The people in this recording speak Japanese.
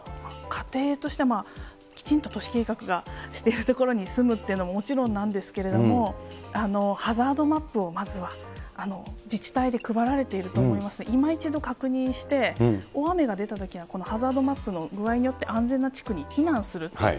家庭としては、きちんと都市計画がしている所に住むっていうのももちろんなんですけれども、ハザードマップをまずは、自治体で配られていると思いますので、今一度確認して、大雨が出たときは、このハザードマップの具合によって、安全な地区に避難するっていう。